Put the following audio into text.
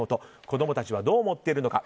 子供たちはどう思っているのか。